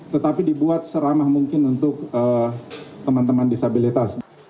tetapi dibuat seramah mungkin untuk teman teman disabilitas